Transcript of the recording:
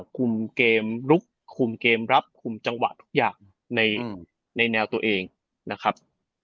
คุมเกมลุกคุมเกมรับคุมจังหวะทุกอย่างในแนวตัวเองนะครับ